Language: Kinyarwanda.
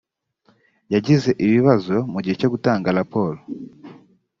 yagize ibibazo mu gihe cyo gutanga raporo